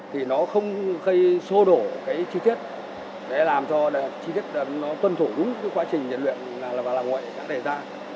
thì nó không sôi đổ chi tiết để làm cho chi tiết tuân thủ đúng với quá trình nhiệt luyện và làm ngoại đã đề ra